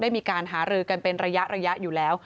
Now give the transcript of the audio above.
มีการหารือกันเป็นระยะอยู่แล้ว